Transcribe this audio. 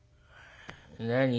「何？